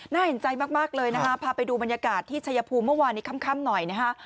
เห็นใจมากเลยนะคะพาไปดูบรรยากาศที่ชัยภูมิเมื่อวานนี้ค่ำหน่อยนะฮะ